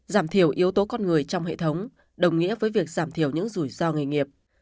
giảm thiểu yếu tố con người trong hệ thống đồng nghĩa với việc giảm thiểu những rủi ro nghề nghiệp